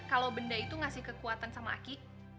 kalau benda itu ngasih kekuatan sama aki